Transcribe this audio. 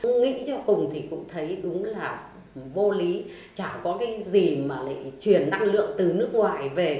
tôi nghĩ cho cùng thì cũng thấy đúng là vô lý chả có cái gì mà lại chuyển năng lượng từ nước ngoài về